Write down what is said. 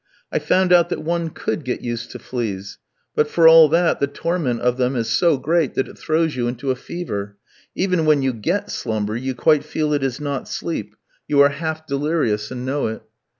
I found out that one could get used to fleas; but for all that, the torment of them is so great that it throws you into a fever; even when you get slumber you quite feel it is not sleep, you are half delirious, and know it.